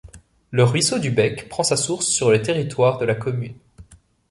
Le ruisseau du Bec prend sa source sur le territoire de la commune.